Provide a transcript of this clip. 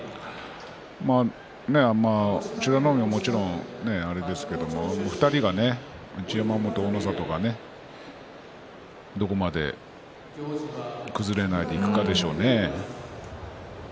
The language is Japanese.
美ノ海はもちろんあれですけど一山本と大の里が、どこまで崩れないでいくかでしょうね。